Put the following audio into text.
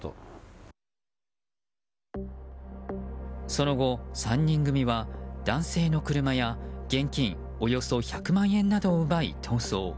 その後、３人組は男性の車や現金およそ１００万円などを奪い、逃走。